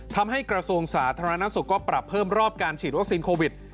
กระทรวงสาธารณสุขก็ปรับเพิ่มรอบการฉีดวัคซีนโควิด